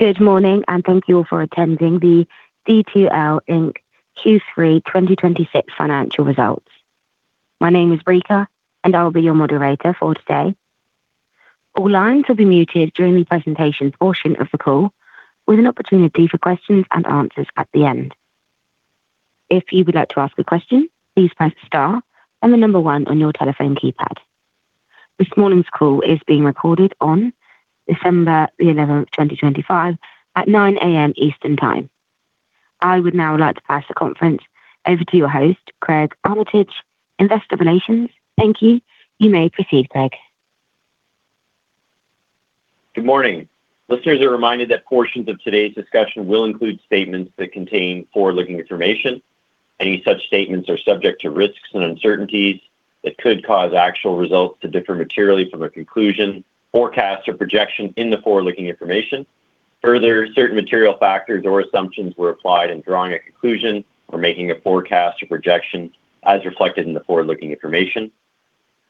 Good morning, and thank you all for attending the D2L Inc Q3 2026 financial results. My name is Rika, and I'll be your moderator for today. All lines will be muted during the presentation portion of the call, with an opportunity for questions and answers at the end. If you would like to ask a question, please press star on the number one on your telephone keypad. This morning's call is being recorded on December the 11th, 2025, at 9:00 A.M. Eastern Time. I would now like to pass the conference over to your host, Craig Armitage, Investor Relations. Thank you. You may proceed, Craig. Good morning, listeners. A reminder that portions of today's discussion will include statements that contain forward-looking information. Any such statements are subject to risks and uncertainties that could cause actual results to differ materially from a conclusion, forecast, or projection in the forward-looking information. Further, certain material factors or assumptions were applied in drawing a conclusion or making a forecast or projection as reflected in the forward-looking information.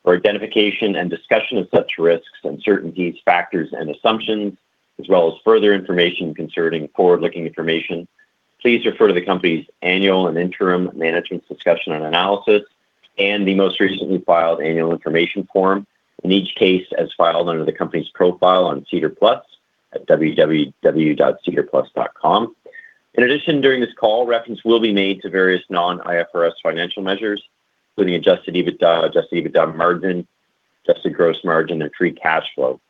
For identification and discussion of such risks, uncertainties, factors, and assumptions, as well as further information concerning forward-looking information, please refer to the company's annual and interim Management's Discussion and Analysis and the most recently filed Annual Information Form. In each case, as filed under the company's profile on SEDAR+ at www.sedarplus.ca. In addition, during this call, reference will be made to various non-IFRS financial measures, including adjusted EBITDA, adjusted EBITDA margin, adjusted gross margin, and free cash flow.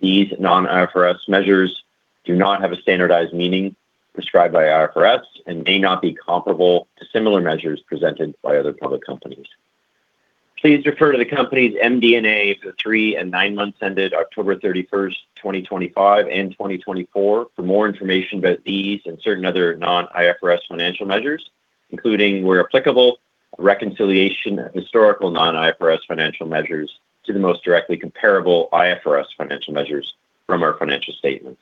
These non-IFRS measures do not have a standardized meaning prescribed by IFRS and may not be comparable to similar measures presented by other public companies. Please refer to the company's MD&A for the three and nine months ended October 31st, 2025 and 2024 for more information about these and certain other non-IFRS financial measures, including, where applicable, reconciliation of historical non-IFRS financial measures to the most directly comparable IFRS financial measures from our financial statements.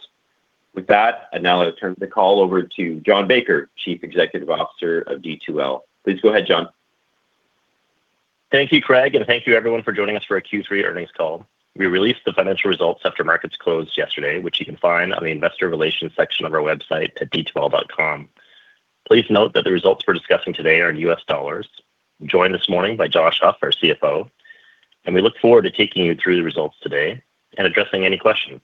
With that, I'd now like to turn the call over to John Baker, Chief Executive Officer of D2L. Please go ahead, John. Thank you, Craig, and thank you, everyone, for joining us for a Q3 earnings call. We released the financial results after markets closed yesterday, which you can find on the Investor Relations section of our website at D2L.com. Please note that the results we're discussing today are in U.S. dollars. Joined this morning by Josh Huff, our CFO, and we look forward to taking you through the results today and addressing any questions.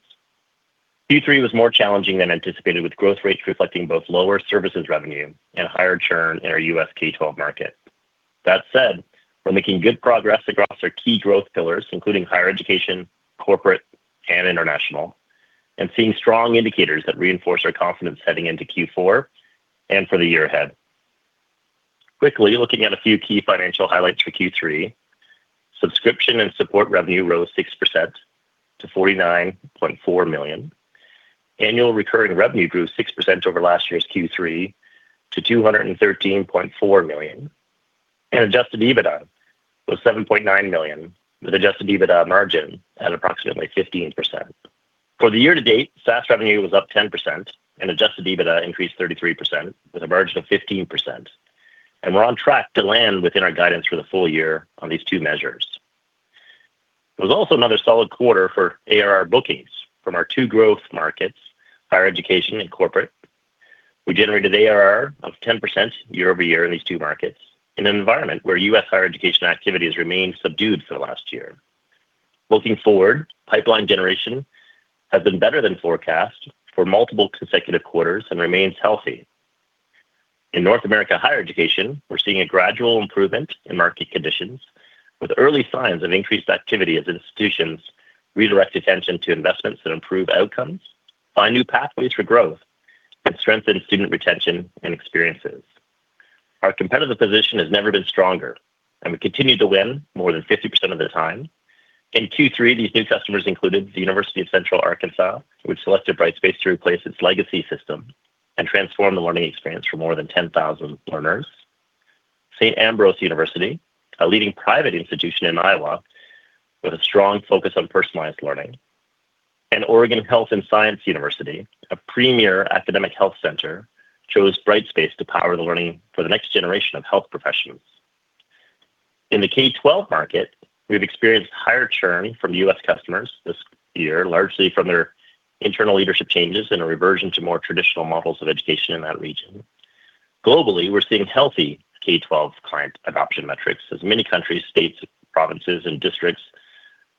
Q3 was more challenging than anticipated, with growth rates reflecting both lower services revenue and higher churn in our U.S. K-12 market. That said, we're making good progress across our key growth pillars, including higher education, corporate, and international, and seeing strong indicators that reinforce our confidence heading into Q4 and for the year ahead. Quickly, looking at a few key financial highlights for Q3, subscription and support revenue rose 6% to $49.4 million. Annual recurring revenue grew 6% over last year's Q3 to $213.4 million, and adjusted EBITDA was $7.9 million, with adjusted EBITDA margin at approximately 15%. For the year-to-date, SaaS revenue was up 10%, and adjusted EBITDA increased 33% with a margin of 15%. And we're on track to land within our guidance for the full year on these two measures. There was also another solid quarter for ARR bookings from our two growth markets, higher education and corporate. We generated ARR of 10% year-over-year in these two markets in an environment where U.S. higher education activities remained subdued for the last year. Looking forward, pipeline generation has been better than forecast for multiple consecutive quarters and remains healthy. In North America higher education, we're seeing a gradual improvement in market conditions, with early signs of increased activity as institutions redirect attention to investments that improve outcomes, find new pathways for growth, and strengthen student retention and experiences. Our competitive position has never been stronger, and we continue to win more than 50% of the time. In Q3, these new customers included the University of Central Arkansas, which selected Brightspace to replace its legacy system and transform the learning experience for more than 10,000 learners, St. Ambrose University, a leading private institution in Iowa with a strong focus on personalized learning, and Oregon Health & Science University, a premier academic health center, chose Brightspace to power the learning for the next generation of health professionals. In the K-12 market, we've experienced higher churn from U.S. customers this year, largely from their internal leadership changes and a reversion to more traditional models of education in that region. Globally, we're seeing healthy K-12 client adoption metrics as many countries, states, provinces, and districts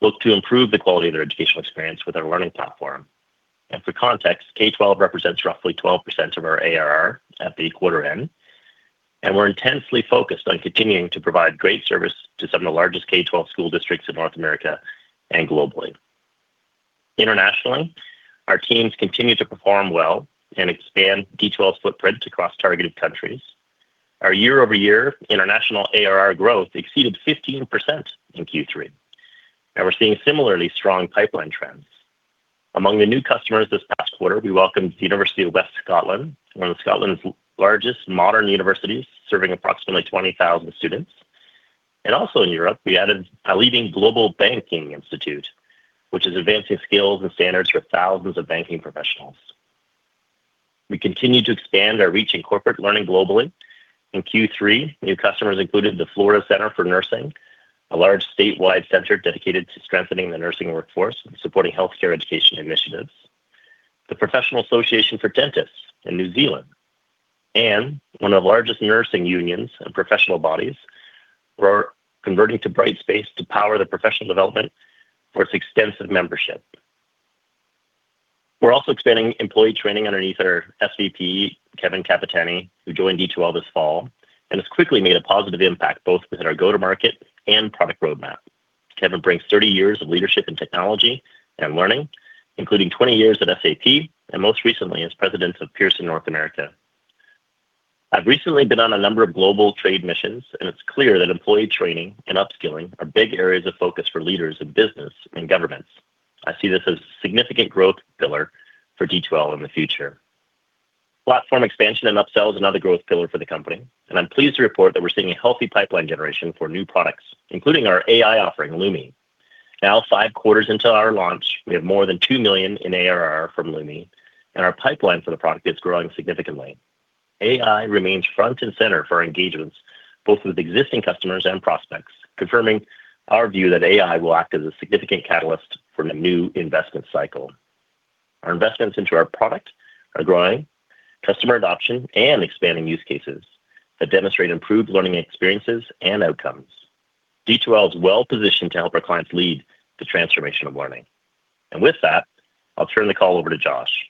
look to improve the quality of their educational experience with our learning platform. And for context, K-12 represents roughly 12% of our ARR at the quarter end, and we're intensely focused on continuing to provide great service to some of the largest K-12 school districts in North America and globally. Internationally, our teams continue to perform well and expand D2L's footprint across targeted countries. Our year-over-year international ARR growth exceeded 15% in Q3, and we're seeing similarly strong pipeline trends. Among the new customers this past quarter, we welcomed the University of the West of Scotland, one of Scotland's largest modern universities serving approximately 20,000 students. Also in Europe, we added a leading global banking institute, which is advancing skills and standards for thousands of banking professionals. We continue to expand our reach in corporate learning globally. In Q3, new customers included the Florida Center for Nursing, a large statewide center dedicated to strengthening the nursing workforce and supporting healthcare education initiatives, the Professional Association for Dentists in New Zealand, and one of the largest nursing unions and professional bodies. We're converting to Brightspace to power the professional development for its extensive membership. We're also expanding employee training underneath our SVP, Kevin Capitani, who joined D2L this fall and has quickly made a positive impact both within our go-to-market and product roadmap. Kevin brings 30 years of leadership in technology and learning, including 20 years at SAP and most recently as president of Pearson North America. I've recently been on a number of global trade missions, and it's clear that employee training and upskilling are big areas of focus for leaders in business and governments. I see this as a significant growth pillar for D2L in the future. Platform expansion and upsells are another growth pillar for the company, and I'm pleased to report that we're seeing a healthy pipeline generation for new products, including our AI offering, Lumi. Now, five quarters into our launch, we have more than two million in ARR from Lumi, and our pipeline for the product is growing significantly. AI remains front and center for our engagements, both with existing customers and prospects, confirming our view that AI will act as a significant catalyst for a new investment cycle. Our investments into our product are growing. Customer adoption and expanding use cases that demonstrate improved learning experiences and outcomes. D2L is well positioned to help our clients lead the transformation of learning, and with that, I'll turn the call over to Josh.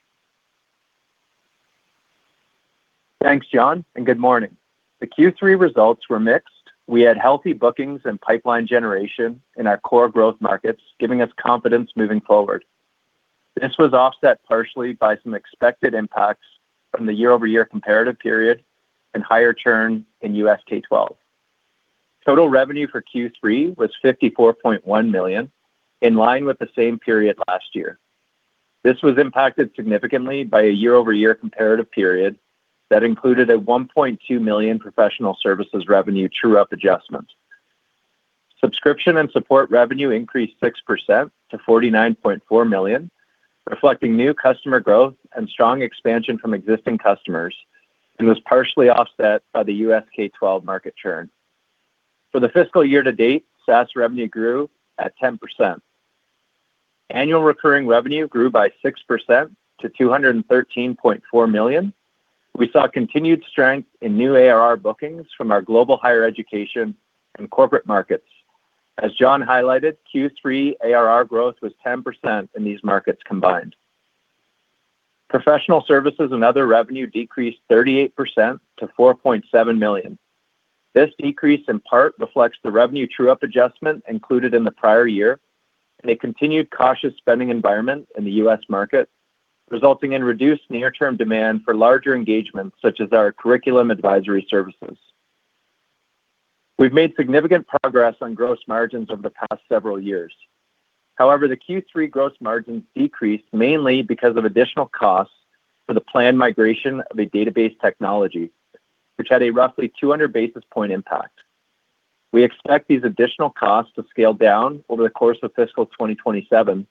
Thanks, John, and good morning. The Q3 results were mixed. We had healthy bookings and pipeline generation in our core growth markets, giving us confidence moving forward. This was offset partially by some expected impacts from the year-over-year comparative period and higher churn in U.S. K-12. Total revenue for Q3 was 54.1 million, in line with the same period last year. This was impacted significantly by a year-over-year comparative period that included a 1.2 million professional services revenue true-up adjustment. Subscription and support revenue increased 6% to 49.4 million, reflecting new customer growth and strong expansion from existing customers, and was partially offset by the U.S. K-12 market churn. For the fiscal year-to-date, SaaS revenue grew at 10%. Annual recurring revenue grew by 6% to 213.4 million. We saw continued strength in new ARR bookings from our global higher education and corporate markets. As John highlighted, Q3 ARR growth was 10% in these markets combined. Professional services and other revenue decreased 38% to $4.7 million. This decrease in part reflects the revenue true-up adjustment included in the prior year, and a continued cautious spending environment in the U.S. market, resulting in reduced near-term demand for larger engagements, such as our curriculum advisory services. We've made significant progress on gross margins over the past several years. However, the Q3 gross margins decreased mainly because of additional costs for the planned migration of a database technology, which had a roughly 200 basis points impact. We expect these additional costs to scale down over the course of fiscal 2027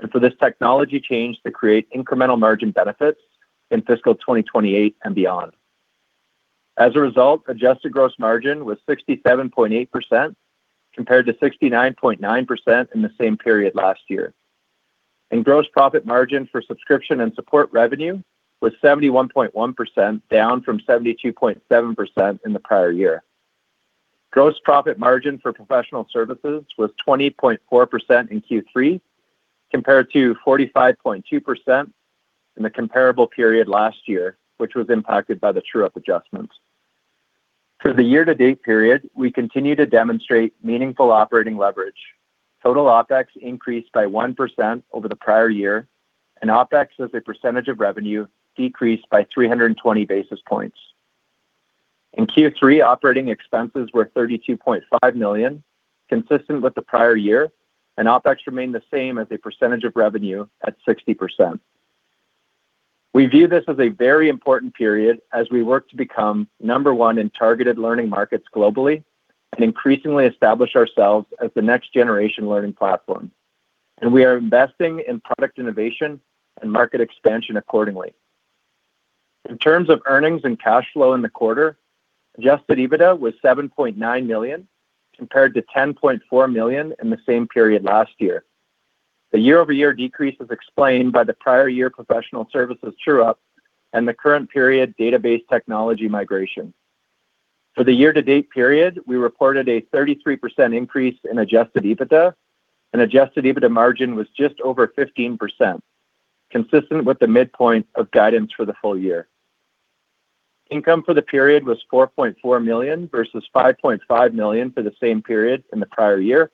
and for this technology change to create incremental margin benefits in fiscal 2028 and beyond. As a result, adjusted gross margin was 67.8% compared to 69.9% in the same period last year. Gross profit margin for subscription and support revenue was 71.1%, down from 72.7% in the prior year. Gross profit margin for professional services was 20.4% in Q3, compared to 45.2% in the comparable period last year, which was impacted by the true-up adjustments. For the year-to-date period, we continue to demonstrate meaningful operating leverage. Total OpEx increased by 1% over the prior year, and OpEx as a percentage of revenue decreased by 320 basis points. In Q3, operating expenses were 32.5 million, consistent with the prior year, and OpEx remained the same as a percentage of revenue at 60%. We view this as a very important period as we work to become number one in targeted learning markets globally and increasingly establish ourselves as the next generation learning platform. We are investing in product innovation and market expansion accordingly. In terms of earnings and cash flow in the quarter, Adjusted EBITDA was 7.9 million, compared to 10.4 million in the same period last year. The year-over-year decrease is explained by the prior year professional services true-up and the current period database technology migration. For the year-to-date period, we reported a 33% increase in Adjusted EBITDA, and Adjusted EBITDA margin was just over 15%, consistent with the midpoint of guidance for the full year. Income for the period was 4.4 million versus 5.5 million for the same period in the prior year,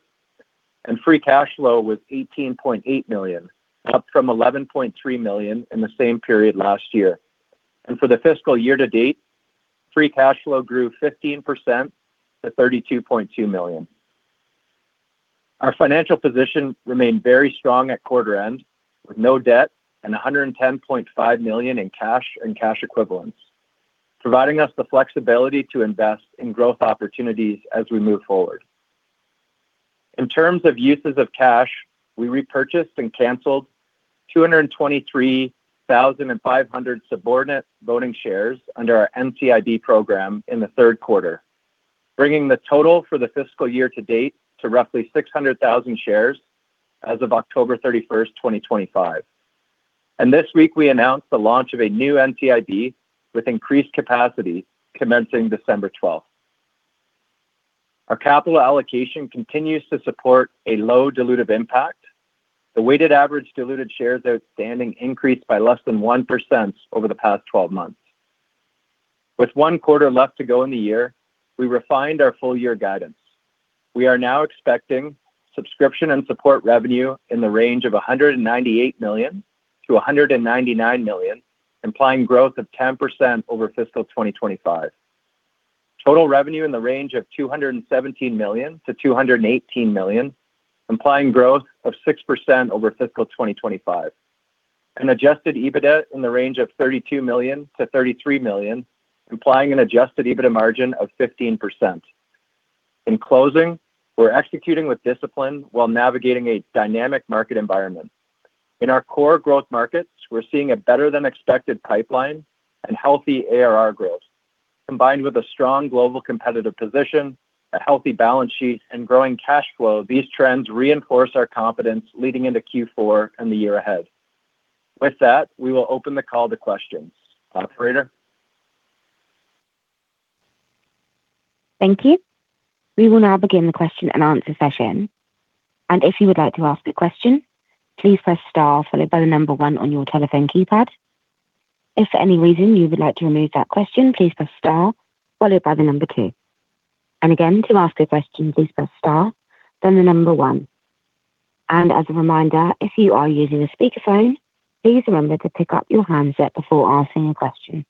and free cash flow was 18.8 million, up from 11.3 million in the same period last year, and for the fiscal year-to-date, free cash flow grew 15% to 32.2 million. Our financial position remained very strong at quarter end, with no debt and 110.5 million in cash and cash equivalents, providing us the flexibility to invest in growth opportunities as we move forward. In terms of uses of cash, we repurchased and canceled 223,500 subordinate voting shares under our NCIB program in the third quarter, bringing the total for the fiscal year-to-date to roughly 600,000 shares as of October 31st, 2025. And this week, we announced the launch of a new NCIB with increased capacity commencing December 12th. Our capital allocation continues to support a low dilutive impact. The weighted average diluted shares outstanding increased by less than 1% over the past 12 months. With one quarter left to go in the year, we refined our full-year guidance. We are now expecting subscription and support revenue in the range of 198 million-199 million, implying growth of 10% over fiscal 2025. Total revenue in the range of 217 million-218 million, implying growth of 6% over fiscal 2025. An Adjusted EBITDA in the range of 32 million-33 million, implying an Adjusted EBITDA margin of 15%. In closing, we're executing with discipline while navigating a dynamic market environment. In our core growth markets, we're seeing a better-than-expected pipeline and healthy ARR growth. Combined with a strong global competitive position, a healthy balance sheet, and growing cash flow, these trends reinforce our confidence leading into Q4 and the year ahead. With that, we will open the call to questions. Operator. Thank you. We will now begin the question and answer session, and if you would like to ask a question, please press star followed by the number one on your telephone keypad. If for any reason you would like to remove that question, please press star followed by the number two, and again, to ask a question, please press star, then the number one. And as a reminder, if you are using a speakerphone, please remember to pick up your handset before asking a question.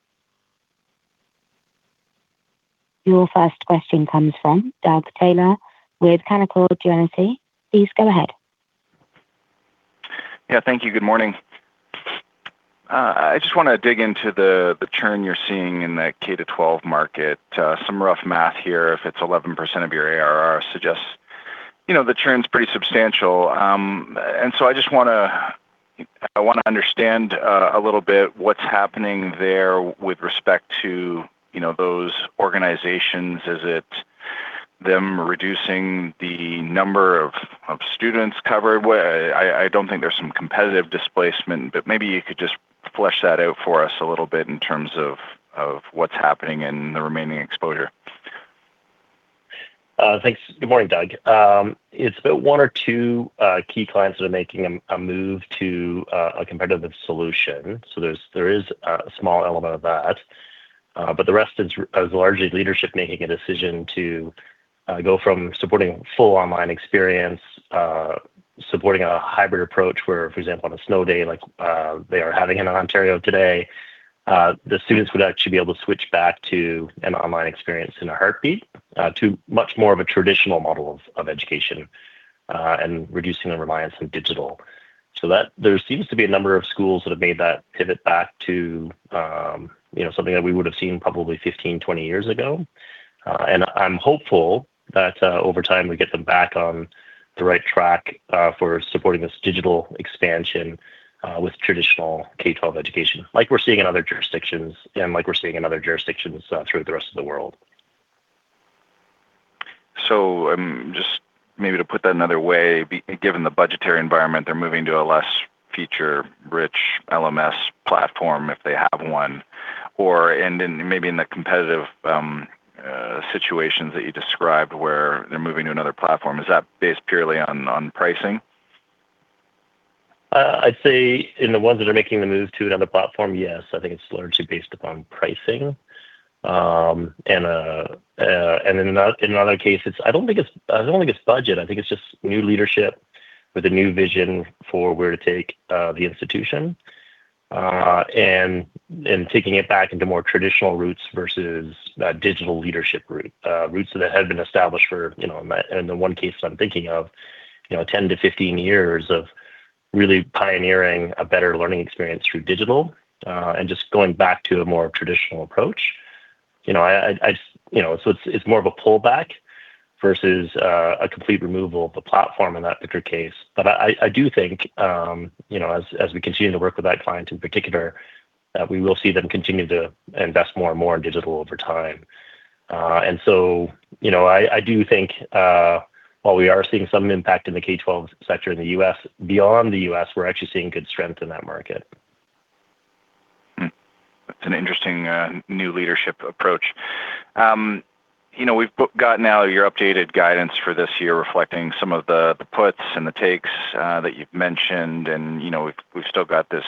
Your first question comes from Doug Taylor with Canaccord Genuity. Please go ahead. Yeah, thank you. Good morning. I just want to dig into the churn you're seeing in the K-12 market. Some rough math here, if it's 11% of your ARR, suggests the churn's pretty substantial, and so I just want to understand a little bit what's happening there with respect to those organizations. Is it them reducing the number of students covered? I don't think there's some competitive displacement, but maybe you could just flesh that out for us a little bit in terms of what's happening in the remaining exposure. Thanks. Good morning, Doug. It's about one or two key clients that are making a move to a competitive solution. So there is a small element of that, but the rest is largely leadership making a decision to go from supporting full online experience, supporting a hybrid approach where, for example, on a snow day like they are having in Ontario today, the students would actually be able to switch back to an online experience in a heartbeat to much more of a traditional model of education and reducing the reliance on digital. So there seems to be a number of schools that have made that pivot back to something that we would have seen probably 15, 20 years ago. I'm hopeful that over time we get them back on the right track for supporting this digital expansion with traditional K-12 education, like we're seeing in other jurisdictions and like we're seeing in other jurisdictions throughout the rest of the world. So just maybe to put that another way, given the budgetary environment, they're moving to a less feature-rich LMS platform if they have one. And then maybe in the competitive situations that you described where they're moving to another platform, is that based purely on pricing? I'd say in the ones that are making the move to another platform, yes. I think it's largely based upon pricing, and in another case, I don't think it's budget. I think it's just new leadership with a new vision for where to take the institution and taking it back into more traditional routes versus digital leadership routes, routes that have been established for, in the one case I'm thinking of, 10 to 15 years of really pioneering a better learning experience through digital and just going back to a more traditional approach, so it's more of a pullback versus a complete removal of the platform in that particular case, but I do think, as we continue to work with that client in particular, that we will see them continue to invest more and more in digital over time. And so I do think, while we are seeing some impact in the K-12 sector in the U.S., beyond the U.S., we're actually seeing good strength in that market. That's an interesting new leadership approach. We've got now your updated guidance for this year reflecting some of the puts and the takes that you've mentioned. And we've still got this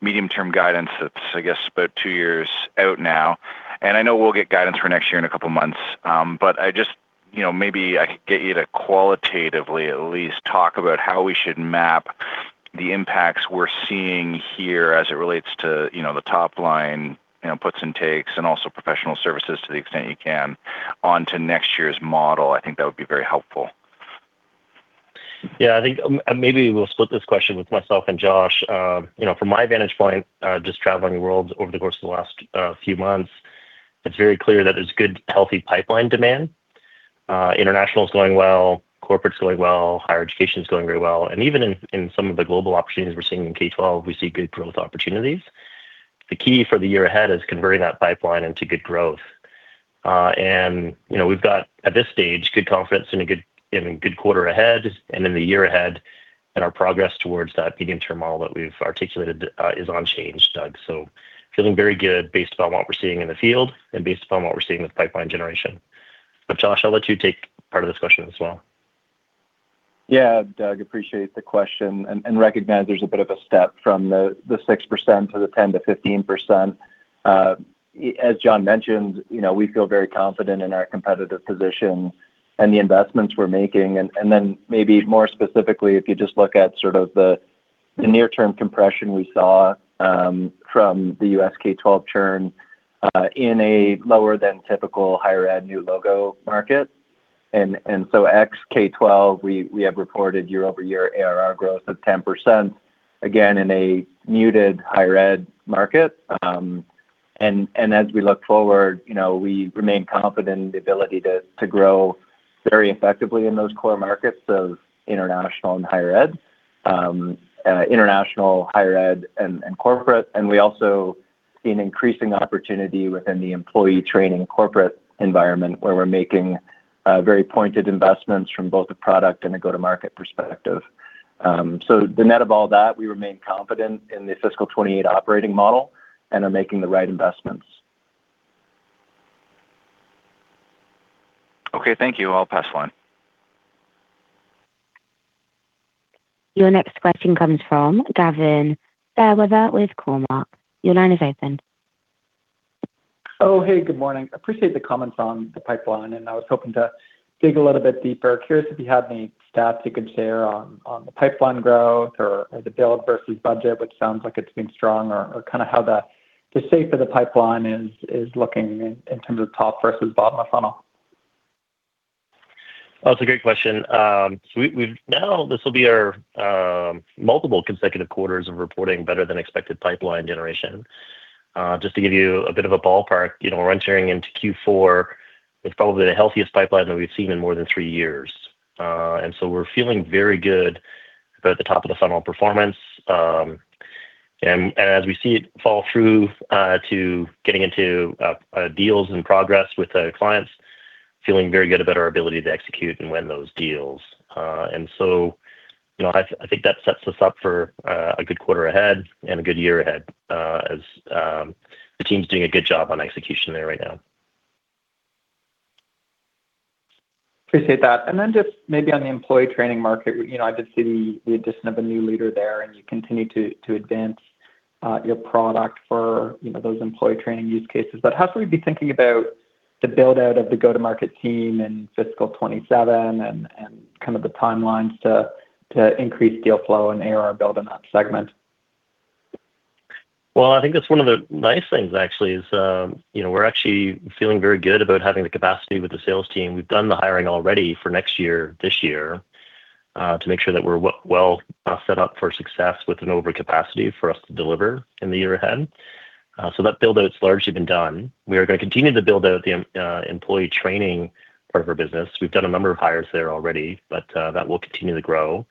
medium-term guidance that's, I guess, about two years out now. And I know we'll get guidance for next year in a couple of months. But maybe I could get you to qualitatively at least talk about how we should map the impacts we're seeing here as it relates to the top line puts and takes and also professional services to the extent you can onto next year's model. I think that would be very helpful. Yeah, I think maybe we'll split this question with myself and Josh. From my vantage point, just traveling the world over the course of the last few months, it's very clear that there's good, healthy pipeline demand. International is going well, corporate's going well, higher education is going very well. And even in some of the global opportunities we're seeing in K-12, we see good growth opportunities. The key for the year ahead is converting that pipeline into good growth. And we've got, at this stage, good confidence in a good quarter ahead and in the year ahead. And our progress towards that medium-term model that we've articulated is unchanged, Doug. So feeling very good based upon what we're seeing in the field and based upon what we're seeing with pipeline generation. But Josh, I'll let you take part of this question as well. Yeah, Doug, appreciate the question and recognize there's a bit of a step from the 6% to the 10%-15%. As John mentioned, we feel very confident in our competitive position and the investments we're making, and then maybe more specifically, if you just look at sort of the near-term compression we saw from the U.S. K-12 churn in a lower-than-typical higher-ed new logo market, and so ex-K-12, we have reported year-over-year ARR growth of 10%, again, in a muted higher-ed market. And as we look forward, we remain confident in the ability to grow very effectively in those core markets of international and higher-ed, international, higher-ed, and corporate, and we also see an increasing opportunity within the employee training corporate environment where we're making very pointed investments from both a product and a go-to-market perspective. So the net of all that, we remain confident in the fiscal 2028 operating model and are making the right investments. Okay, thank you. I'll pass one. Your next question comes from Gavin Fairweather with Cormark. Your line is open. Oh, hey, good morning. I appreciate the comments on the pipeline, and I was hoping to dig a little bit deeper. Curious if you have any stats you could share on the pipeline growth or the build versus budget, which sounds like it's been strong, or kind of how the shape of the pipeline is looking in terms of top versus bottom of funnel. That's a great question. So now this will be our multiple consecutive quarters of reporting better-than-expected pipeline generation. Just to give you a bit of a ballpark, we're entering into Q4 with probably the healthiest pipeline that we've seen in more than three years, and so we're feeling very good about the top of the funnel performance, and as we see it fall through to getting into deals in progress with clients, feeling very good about our ability to execute and win those deals, and so I think that sets us up for a good quarter ahead and a good year ahead as the team's doing a good job on execution there right now. Appreciate that. And then just maybe on the employee training market, I did see the addition of a new leader there, and you continue to advance your product for those employee training use cases. But how should we be thinking about the build-out of the go-to-market team in fiscal 2027 and kind of the timelines to increase deal flow and ARR build in that segment? I think that's one of the nice things, actually, is we're actually feeling very good about having the capacity with the sales team. We've done the hiring already for next year, this year, to make sure that we're well set up for success with an overcapacity for us to deliver in the year ahead. So that build-out's largely been done. We are going to continue to build out the employee training part of our business. We've done a number of hires there already, but that will continue to grow.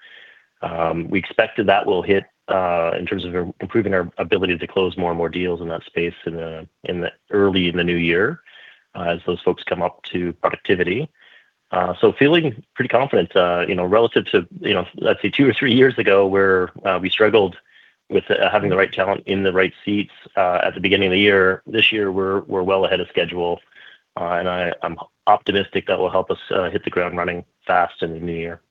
We expect that that will hit in terms of improving our ability to close more and more deals in that space in the early in the new year as those folks come up to productivity. So, feeling pretty confident relative to, let's say, two or three years ago, where we struggled with having the right talent in the right seats at the beginning of the year, this year, we're well ahead of schedule. And I'm optimistic that will help us hit the ground running fast in the new year.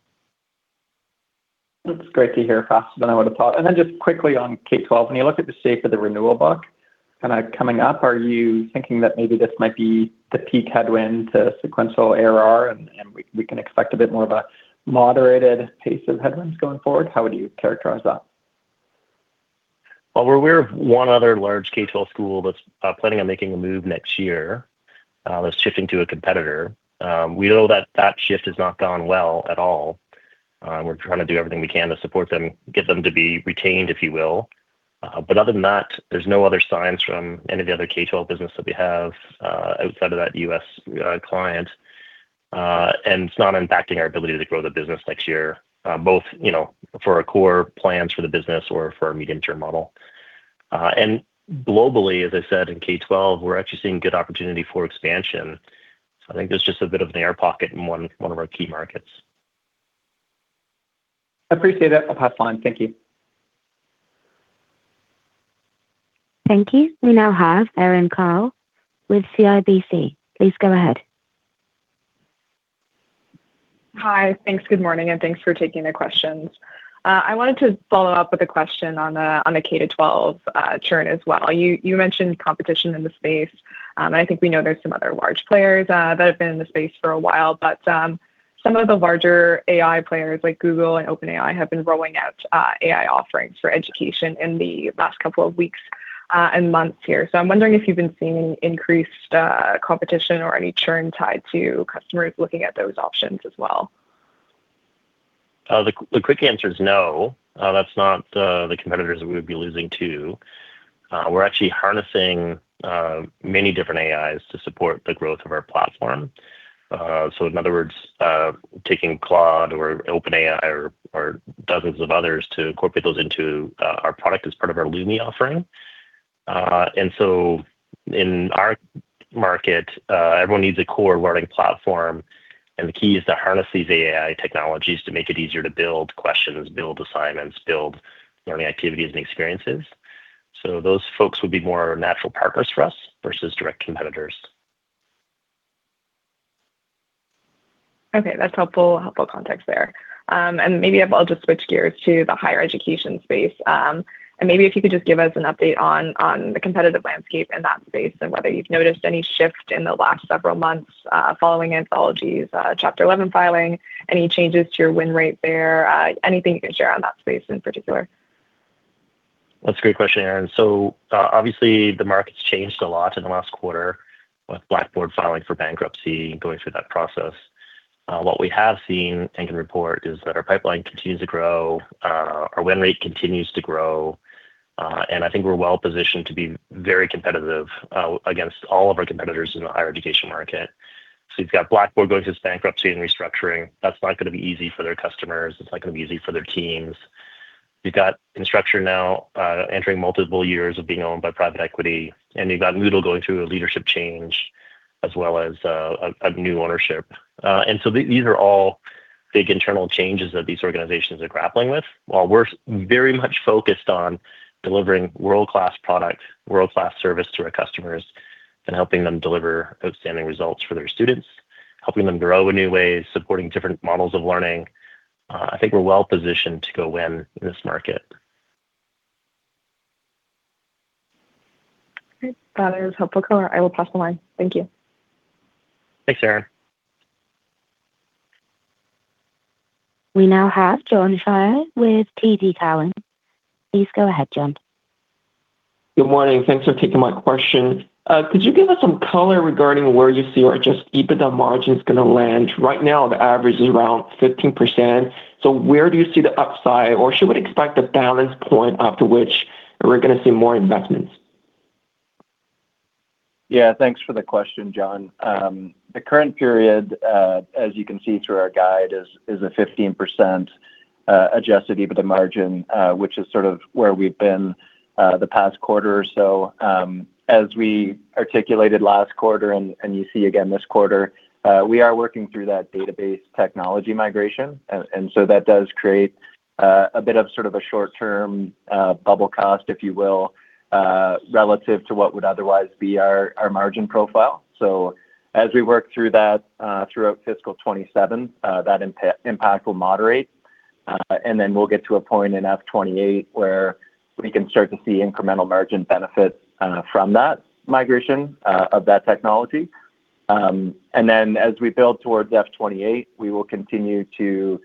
That's great to hear, faster than I would have thought. And then just quickly on K-12, when you look at the shape of the renewal book, kind of coming up, are you thinking that maybe this might be the peak headwind to sequential ARR, and we can expect a bit more of a moderated pace of headwinds going forward? How would you characterize that? We're aware of one other large K-12 school that's planning on making a move next year, that's shifting to a competitor. We know that that shift has not gone well at all. We're trying to do everything we can to support them, get them to be retained, if you will. But other than that, there's no other signs from any of the other K-12 business that we have outside of that U.S. client. And it's not impacting our ability to grow the business next year, both for our core plans for the business or for our medium-term model. And globally, as I said, in K-12, we're actually seeing good opportunity for expansion. So I think there's just a bit of an air pocket in one of our key markets. Appreciate it. I'll pass on. Thank you. Thank you. We now have Erin Kyle with CIBC. Please go ahead. Hi. Thanks. Good morning. And thanks for taking the questions. I wanted to follow up with a question on the K-12 churn as well. You mentioned competition in the space. And I think we know there's some other large players that have been in the space for a while. But some of the larger AI players like Google and OpenAI have been rolling out AI offerings for education in the last couple of weeks and months here. So I'm wondering if you've been seeing any increased competition or any churn tied to customers looking at those options as well. The quick answer is no. That's not the competitors that we would be losing to. We're actually harnessing many different AIs to support the growth of our platform. So in other words, taking Claude or OpenAI or dozens of others to incorporate those into our product as part of our Lumi offering. And so in our market, everyone needs a core learning platform. And the key is to harness these AI technologies to make it easier to build questions, build assignments, build learning activities and experiences. So those folks would be more natural partners for us versus direct competitors. Okay. That's helpful context there. And maybe I'll just switch gears to the higher education space. And maybe if you could just give us an update on the competitive landscape in that space and whether you've noticed any shift in the last several months following Anthology's Chapter 11 filing, any changes to your win rate there, anything you can share on that space in particular? That's a great question, Erin. So obviously, the market's changed a lot in the last quarter with Blackboard filing for bankruptcy and going through that process. What we have seen and can report is that our pipeline continues to grow, our win rate continues to grow. And I think we're well positioned to be very competitive against all of our competitors in the higher education market. So you've got Blackboard going through bankruptcy and restructuring. That's not going to be easy for their customers. It's not going to be easy for their teams. You've got Instructure now entering multiple years of being owned by private equity. And you've got Moodle going through a leadership change as well as a new ownership. And so these are all big internal changes that these organizations are grappling with. While we're very much focused on delivering world-class product, world-class service to our customers and helping them deliver outstanding results for their students, helping them grow in new ways, supporting different models of learning, I think we're well positioned to go win in this market. That is helpful. I will pass the line. Thank you. Thanks, Erin. We now have John Fyer with TD Cowen. Please go ahead, John. Good morning. Thanks for taking my question. Could you give us some color regarding where you see our adjusted EBITDA margin is going to land? Right now, the average is around 15%. So where do you see the upside or should we expect a balance point after which we're going to see more investments? Yeah, thanks for the question, John. The current period, as you can see through our guide, is a 15% adjusted EBITDA margin, which is sort of where we've been the past quarter or so. As we articulated last quarter, and you see again this quarter, we are working through that database technology migration. And so that does create a bit of sort of a short-term bubble cost, if you will, relative to what would otherwise be our margin profile. So as we work through that throughout fiscal 2027, that impact will moderate. And then we'll get to a point in 2028 where we can start to see incremental margin benefits from that migration of that technology. And then as we build towards 2028, we will continue to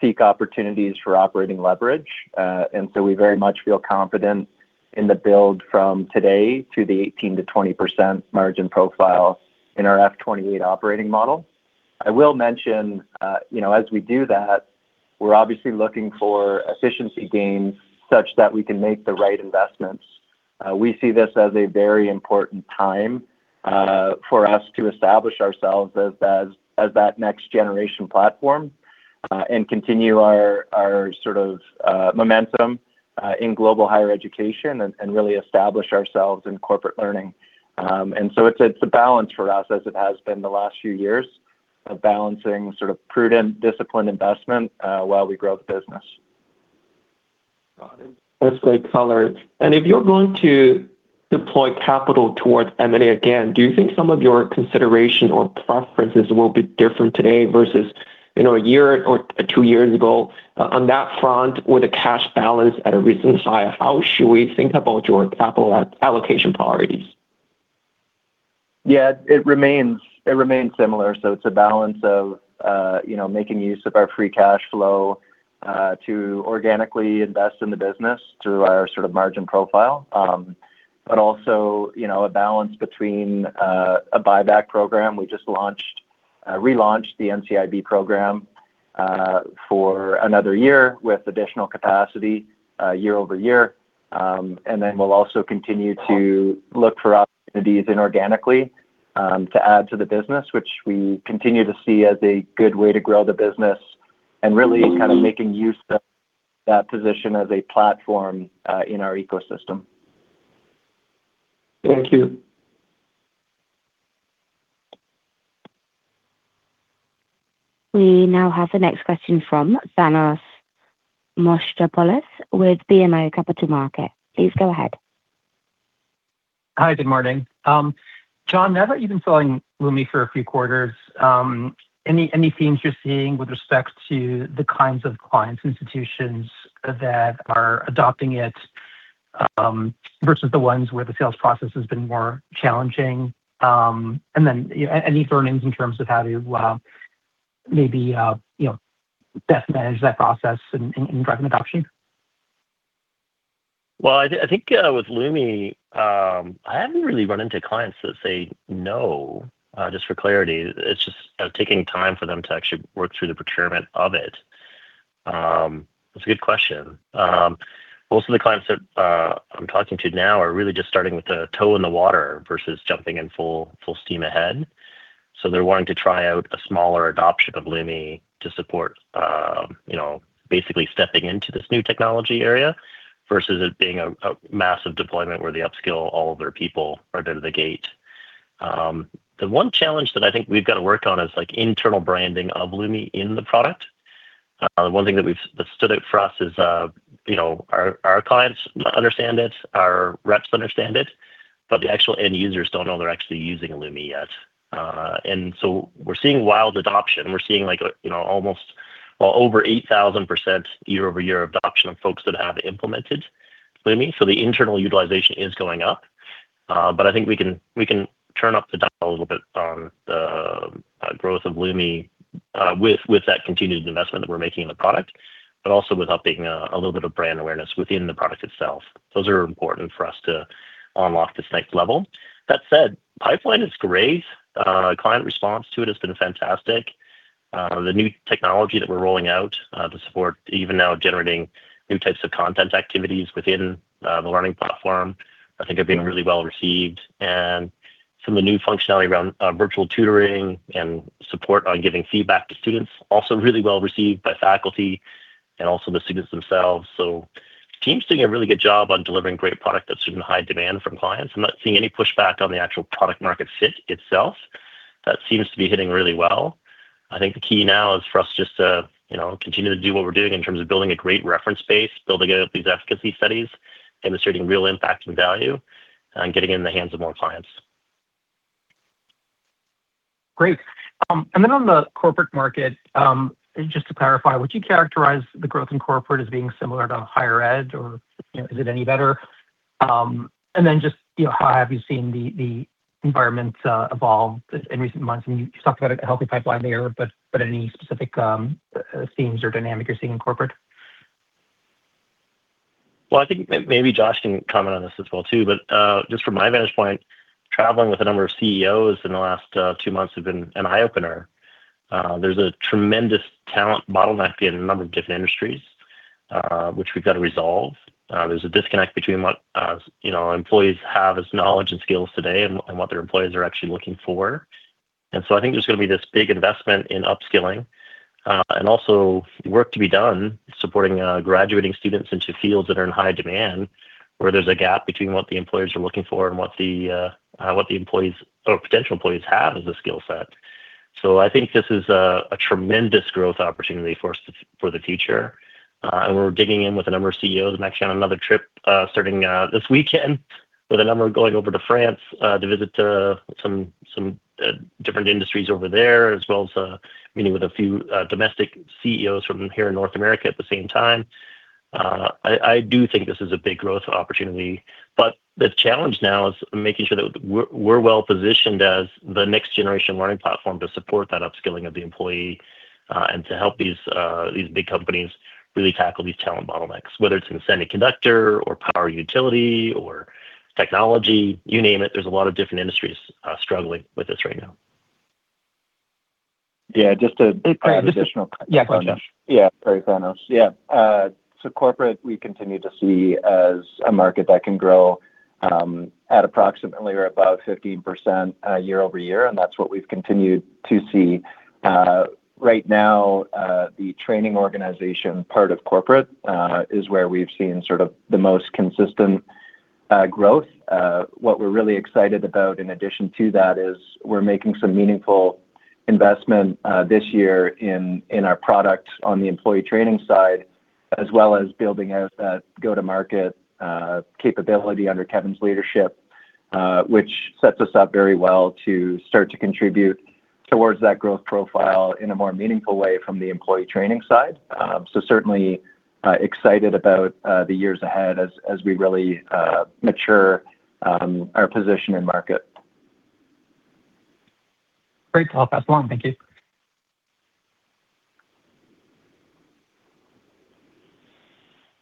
seek opportunities for operating leverage. And so we very much feel confident in the build from today to the 18%-20% margin profile in our F2028 operating model. I will mention, as we do that, we're obviously looking for efficiency gains such that we can make the right investments. We see this as a very important time for us to establish ourselves as that next-generation platform and continue our sort of momentum in global higher education and really establish ourselves in corporate learning. And so it's a balance for us as it has been the last few years of balancing sort of prudent, disciplined investment while we grow the business. Got it. That's great color. And if you're going to deploy capital towards M&A again, do you think some of your consideration or preferences will be different today versus a year or two years ago? On that front, with a cash balance at a recent high, how should we think about your capital allocation priorities? Yeah, it remains similar. So it's a balance of making use of our free cash flow to organically invest in the business through our sort of margin profile, but also a balance between a buyback program. We just relaunched the NCIB program for another year with additional capacity year-over-year. And then we'll also continue to look for opportunities inorganically to add to the business, which we continue to see as a good way to grow the business and really kind of making use of that position as a platform in our ecosystem. Thank you. We now have the next question from Thanos Moschopoulos with BMO Capital Markets. Please go ahead. Hi, good morning. John, now that you've been selling Lumi for a few quarters, any themes you're seeing with respect to the kinds of clients and institutions that are adopting it versus the ones where the sales process has been more challenging? And then any learnings in terms of how to maybe best manage that process in driving adoption? I think with Lumi, I haven't really run into clients that say no. Just for clarity, it's just taking time for them to actually work through the procurement of it. That's a good question. Most of the clients that I'm talking to now are really just starting with a toe in the water versus jumping in full steam ahead. So they're wanting to try out a smaller adoption of Lumi to support basically stepping into this new technology area versus it being a massive deployment where they upskill all of their people right out of the gate. The one challenge that I think we've got to work on is internal branding of Lumi in the product. The one thing that stood out for us is our clients understand it, our reps understand it, but the actual end users don't know they're actually using Lumi yet. And so we're seeing wild adoption. We're seeing almost well over 8,000% year-over-year adoption of folks that have implemented Lumi. So the internal utilization is going up. But I think we can turn up the dial a little bit on the growth of Lumi with that continued investment that we're making in the product, but also with updating a little bit of brand awareness within the product itself. Those are important for us to unlock this next level. That said, pipeline is great. Client response to it has been fantastic. The new technology that we're rolling out to support even now generating new types of content activities within the learning platform, I think, have been really well received. And some of the new functionality around virtual tutoring and support on giving feedback to students also really well received by faculty and also the students themselves. So teams doing a really good job on delivering great product that's in high demand from clients. I'm not seeing any pushback on the actual product-market fit itself. That seems to be hitting really well. I think the key now is for us just to continue to do what we're doing in terms of building a great reference base, building out these efficacy studies, demonstrating real impact and value, and getting it in the hands of more clients. Great. And then on the corporate market, just to clarify, would you characterize the growth in corporate as being similar to higher-ed, or is it any better? And then just how have you seen the environment evolve in recent months? And you talked about a healthy pipeline there, but any specific themes or dynamics you're seeing in corporate? I think maybe Josh can comment on this as well too. But just from my vantage point, traveling with a number of CEOs in the last two months has been an eye-opener. There's a tremendous talent bottleneck in a number of different industries, which we've got to resolve. There's a disconnect between what employees have as knowledge and skills today and what their employers are actually looking for. I think there's going to be this big investment in upskilling and also work to be done supporting graduating students into fields that are in high demand where there's a gap between what the employers are looking for and what the employees or potential employees have as a skill set. I think this is a tremendous growth opportunity for us for the future. We're digging in with a number of CEOs. I'm actually on another trip starting this weekend with a number going over to France to visit some different industries over there, as well as meeting with a few domestic CEOs from here in North America at the same time. I do think this is a big growth opportunity. But the challenge now is making sure that we're well positioned as the next-generation learning platform to support that upskilling of the employee and to help these big companies really tackle these talent bottlenecks, whether it's in semiconductor or power utility or technology, you name it. There's a lot of different industries struggling with this right now. Yeah, just to add additional questions. Yeah, sorry. Yeah, so corporate, we continue to see as a market that can grow at approximately or above 15% year-over-year. And that's what we've continued to see. Right now, the training organization part of corporate is where we've seen sort of the most consistent growth. What we're really excited about in addition to that is we're making some meaningful investment this year in our product on the employee training side, as well as building out that go-to-market capability under Kevin's leadership, which sets us up very well to start to contribute towards that growth profile in a more meaningful way from the employee training side. So certainly excited about the years ahead as we really mature our position in market. Great. I'll pass along. Thank you.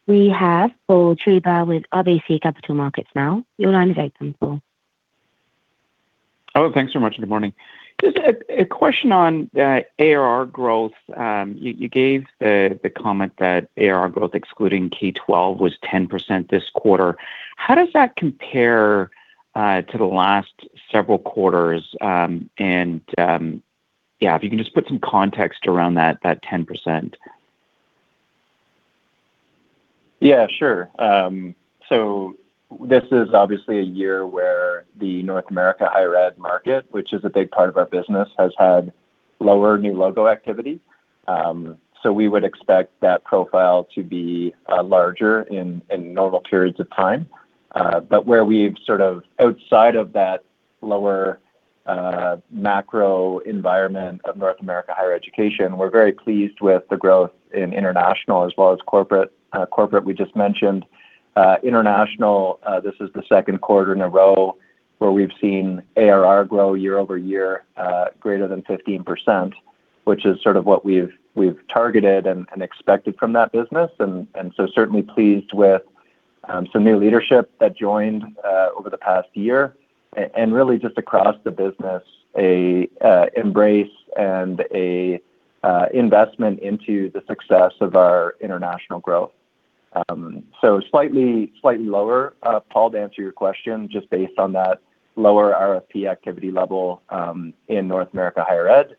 We have Paul Treiber with RBC Capital Markets now. Your line is open, Paul. Oh, thanks very much. Good morning. Just a question on ARR growth. You gave the comment that ARR growth excluding K-12 was 10% this quarter. How does that compare to the last several quarters? And yeah, if you can just put some context around that 10%? Yeah, sure. So this is obviously a year where the North America higher-ed market, which is a big part of our business, has had lower new logo activity. So we would expect that profile to be larger in normal periods of time. But where we've sort of outside of that lower macro environment of North America higher education, we're very pleased with the growth in international as well as corporate. Corporate, we just mentioned. International, this is the second quarter in a row where we've seen ARR grow year-over-year greater than 15%, which is sort of what we've targeted and expected from that business. And so certainly pleased with some new leadership that joined over the past year. And really just across the business, an embrace and an investment into the success of our international growth. So slightly lower. Paul, to answer your question, just based on that lower RFP activity level in North America higher-ed.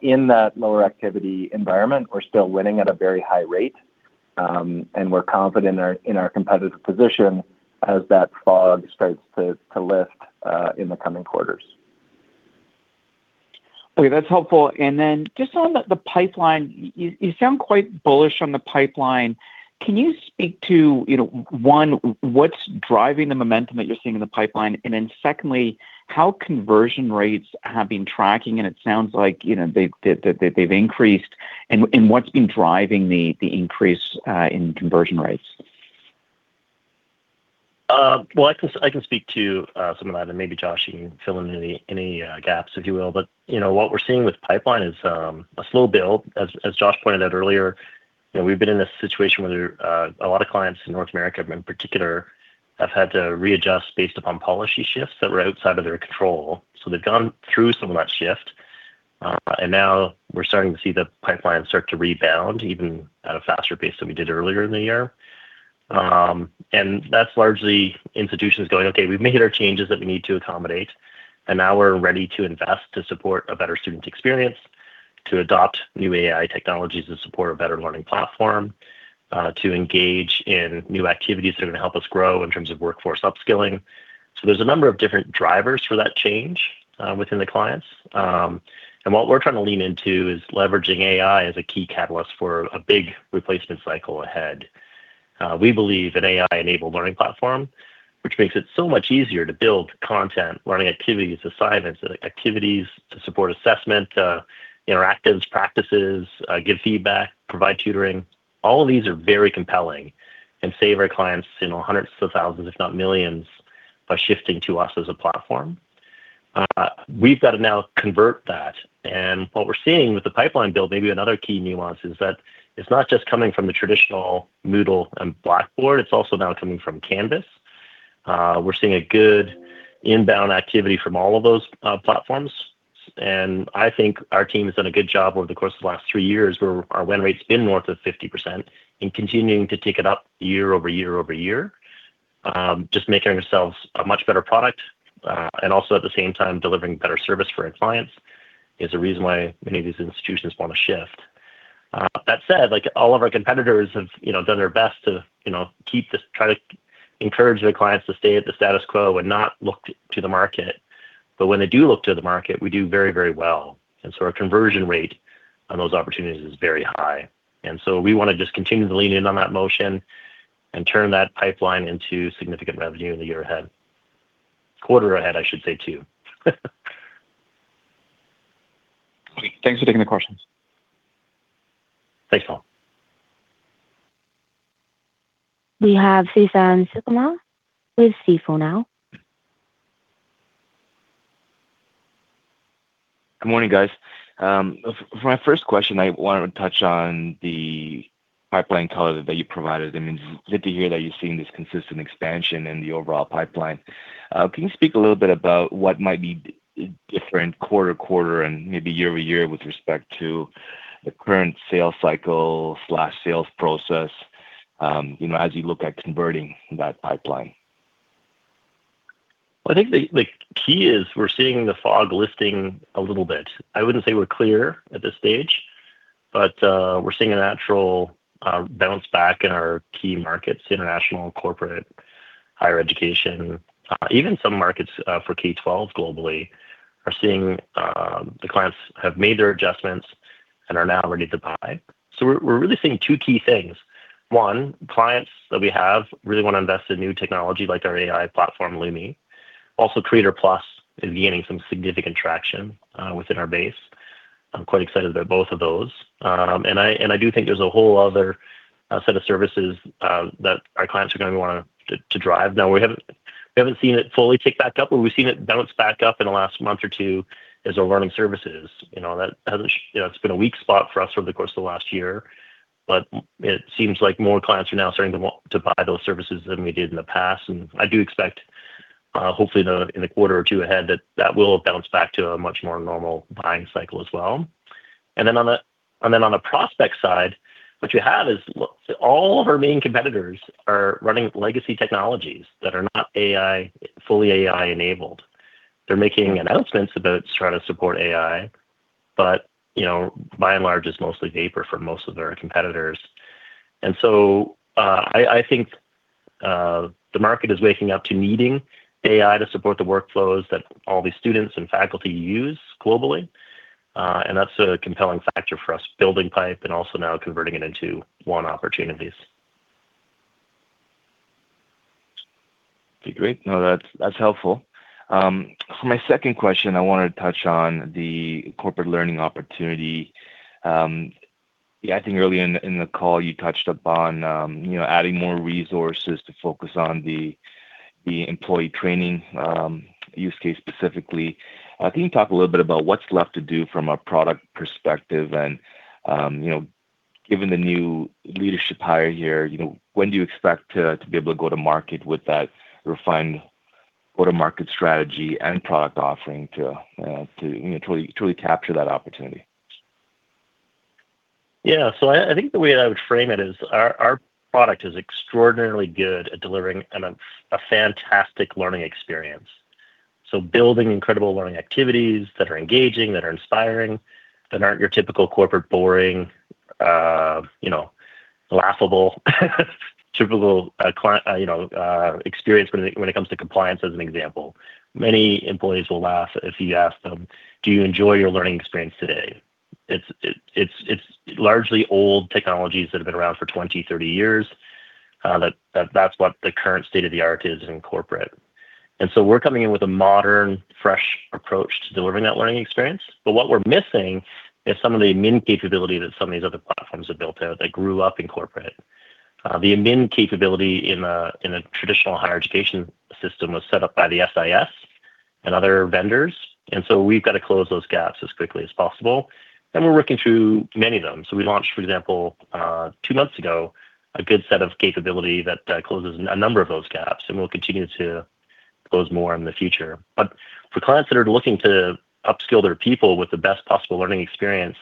In that lower activity environment, we're still winning at a very high rate. And we're confident in our competitive position as that fog starts to lift in the coming quarters. Okay, that's helpful. And then just on the pipeline, you sound quite bullish on the pipeline. Can you speak to, one, what's driving the momentum that you're seeing in the pipeline? And then secondly, how conversion rates have been tracking? And it sounds like they've increased. And what's been driving the increase in conversion rates? I can speak to some of that. Maybe Josh, you can fill in any gaps if you will. What we're seeing with pipeline is a slow build. As Josh pointed out earlier, we've been in a situation where a lot of clients in North America in particular have had to readjust based upon policy shifts that were outside of their control. They've gone through some of that shift. Now we're starting to see the pipeline start to rebound even at a faster pace than we did earlier in the year. That's largely institutions going, "Okay, we've made our changes that we need to accommodate. And now we're ready to invest to support a better student experience, to adopt new AI technologies to support a better learning platform, to engage in new activities that are going to help us grow in terms of workforce upskilling." So there's a number of different drivers for that change within the clients. And what we're trying to lean into is leveraging AI as a key catalyst for a big replacement cycle ahead. We believe in an AI-enabled learning platform, which makes it so much easier to build content, learning activities, assignments, activities to support assessment, interactives, practices, give feedback, provide tutoring. All of these are very compelling and save our clients hundreds of thousands, if not millions, by shifting to us as a platform. We've got to now convert that. What we're seeing with the pipeline build, maybe another key nuance, is that it's not just coming from the traditional Moodle and Blackboard. It's also now coming from Canvas. We're seeing a good inbound activity from all of those platforms. I think our team has done a good job over the course of the last three years where our win rates have been north of 50% and continuing to tick it up year-over-year-over-year. Just making ourselves a much better product and also at the same time delivering better service for our clients is a reason why many of these institutions want to shift. That said, all of our competitors have done their best to try to encourage their clients to stay at the status quo and not look to the market. When they do look to the market, we do very, very well. And so our conversion rate on those opportunities is very high. And so we want to just continue to lean in on that motion and turn that pipeline into significant revenue in the year ahead. Quarter ahead, I should say, too. Thanks for taking the questions. Thanks, Paul. We have Suthan Sukumar with Stifel. Good morning, guys. For my first question, I want to touch on the pipeline color that you provided. I mean, it's good to hear that you're seeing this consistent expansion in the overall pipeline. Can you speak a little bit about what might be different quarter-to-quarter and maybe year-over-year with respect to the current sales cycle/sales process as you look at converting that pipeline? I think the key is we're seeing the fog lifting a little bit. I wouldn't say we're clear at this stage, but we're seeing a natural bounce back in our key markets, international, corporate, higher education. Even some markets for K-12 globally are seeing the clients have made their adjustments and are now ready to buy. So we're really seeing two key things. One, clients that we have really want to invest in new technology like our AI platform, Lumi. Also, Creator+ is gaining some significant traction within our base. I'm quite excited about both of those. And I do think there's a whole other set of services that our clients are going to want to drive. Now, we haven't seen it fully tick back up, but we've seen it bounce back up in the last month or two as our learning services. That's been a weak spot for us over the course of the last year. But it seems like more clients are now starting to buy those services than we did in the past. And I do expect, hopefully, in the quarter or two ahead that that will bounce back to a much more normal buying cycle as well. And then on the prospect side, what you have is all of our main competitors are running legacy technologies that are not fully AI-enabled. They're making announcements about trying to support AI, but by and large, it's mostly vapor for most of our competitors. And so I think the market is waking up to needing AI to support the workflows that all these students and faculty use globally. And that's a compelling factor for us building pipe and also now converting it into won opportunities. Okay, great. No, that's helpful. For my second question, I wanted to touch on the corporate learning opportunity. Yeah, I think early in the call, you touched upon adding more resources to focus on the employee training use case specifically. Can you talk a little bit about what's left to do from a product perspective? And given the new leadership hire here, when do you expect to be able to go to market with that refined go-to-market strategy and product offering to truly capture that opportunity? Yeah. So I think the way I would frame it is our product is extraordinarily good at delivering a fantastic learning experience. So building incredible learning activities that are engaging, that are inspiring, that aren't your typical corporate boring, laughable, typical experience when it comes to compliance as an example. Many employees will laugh if you ask them, "Do you enjoy your learning experience today?" It's largely old technologies that have been around for 20, 30 years. That's what the current state of the art is in corporate. And so we're coming in with a modern, fresh approach to delivering that learning experience. But what we're missing is some of the admin capability that some of these other platforms have built out that grew up in corporate. The admin capability in a traditional higher education system was set up by the SIS and other vendors. And so we've got to close those gaps as quickly as possible. And we're working through many of them. So we launched, for example, two months ago, a good set of capability that closes a number of those gaps. And we'll continue to close more in the future. But for clients that are looking to upskill their people with the best possible learning experience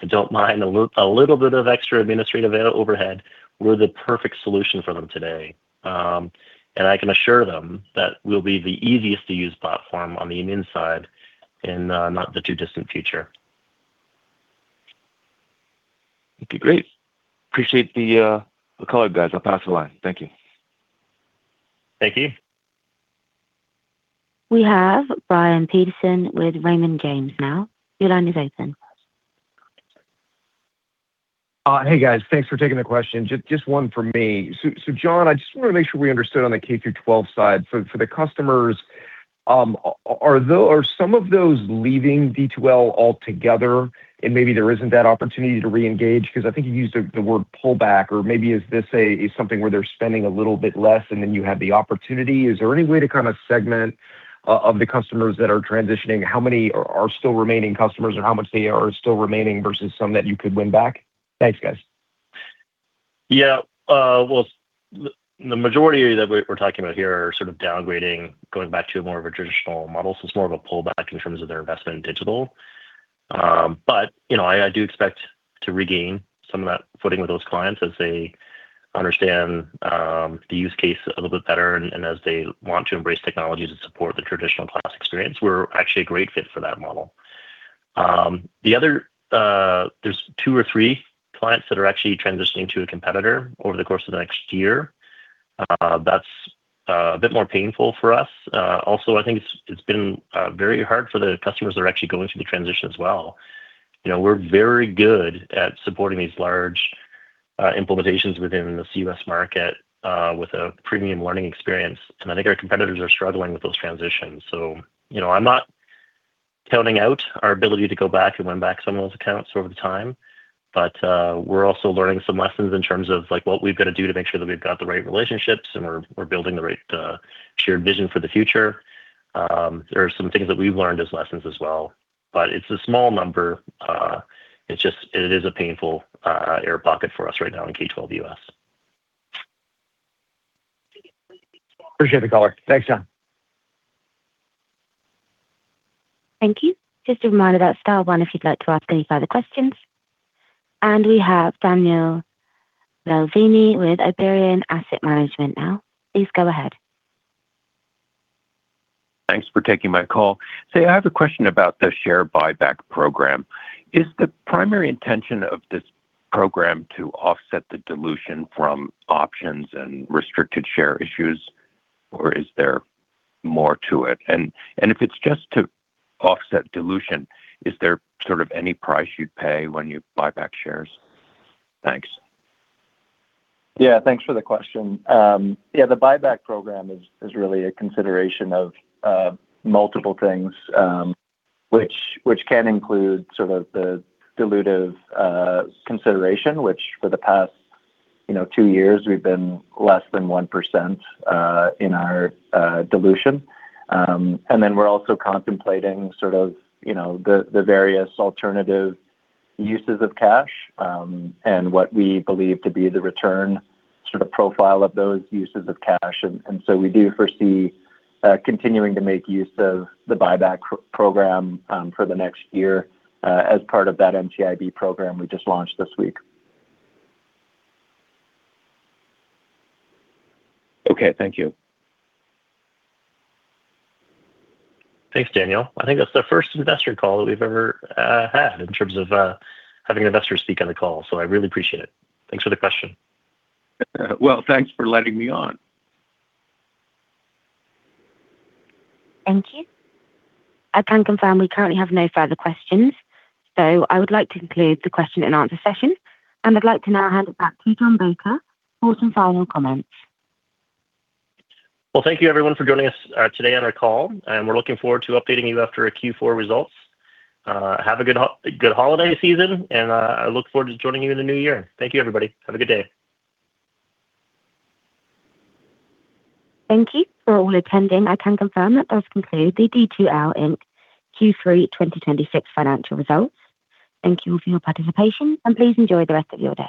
and don't mind a little bit of extra administrative overhead, we're the perfect solution for them today. And I can assure them that we'll be the easiest-to-use platform on the LMS side in not the too distant future. Okay, great. Appreciate the call, guys. I'll pass the line. Thank you. Thank you. We have Brian Peterson with Raymond James now. Your line is open. Hey, guys. Thanks for taking the question. Just one for me. So John, I just want to make sure we understood on the K-12 side. So for the customers, are some of those leaving D2L altogether? And maybe there isn't that opportunity to reengage? Because I think you used the word pullback. Or maybe is this something where they're spending a little bit less and then you have the opportunity? Is there any way to kind of segment of the customers that are transitioning? How many are still remaining customers or how much they are still remaining versus some that you could win back? Thanks, guys. Yeah, well, the majority that we're talking about here are sort of downgrading, going back to more of a traditional model. So it's more of a pullback in terms of their investment in digital. But I do expect to regain some of that footing with those clients as they understand the use case a little bit better and as they want to embrace technologies to support the traditional class experience. We're actually a great fit for that model. There's two or three clients that are actually transitioning to a competitor over the course of the next year. That's a bit more painful for us. Also, I think it's been very hard for the customers that are actually going through the transition as well. We're very good at supporting these large implementations within the U.S. market with a premium learning experience, and I think our competitors are struggling with those transitions. So I'm not counting out our ability to go back and win back some of those accounts over time. But we're also learning some lessons in terms of what we've got to do to make sure that we've got the right relationships and we're building the right shared vision for the future. There are some things that we've learned as lessons as well. But it's a small number. It is a painful air pocket for us right now in K-12 U.S. Appreciate the caller. Thanks, John. Thank you. Just a reminder that star one, if you'd like to ask any further questions. And we have Daniel Baldini with Oberon Asset Management now. Please go ahead. Thanks for taking my call. So I have a question about the share buyback program. Is the primary intention of this program to offset the dilution from options and restricted share issues, or is there more to it? And if it's just to offset dilution, is there sort of any price you'd pay when you buy back shares? Thanks. Yeah, thanks for the question. Yeah, the buyback program is really a consideration of multiple things, which can include sort of the dilutive consideration, which for the past two years, we've been less than 1% in our dilution, and then we're also contemplating sort of the various alternative uses of cash and what we believe to be the return sort of profile of those uses of cash, and so we do foresee continuing to make use of the buyback program for the next year as part of that NCIB program we just launched this week. Okay, thank you. Thanks, Daniel. I think that's the first investor call that we've ever had in terms of having investors speak on the call. So I really appreciate it. Thanks for the question. Thanks for letting me on. Thank you. I can confirm we currently have no further questions. So I would like to conclude the question and answer session. And I'd like to now hand it back to John Baker for some final comments. Thank you, everyone, for joining us today on our call. We're looking forward to updating you after our Q4 results. Have a good holiday season. I look forward to joining you in the new year. Thank you, everybody. Have a good day. Thank you for all attending. I can confirm that those conclude the D2L Inc Q3 2026 financial results. Thank you all for your participation, and please enjoy the rest of your day.